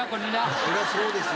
そりゃそうですよ。